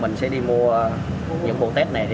mình sẽ đi mua những cuộc test này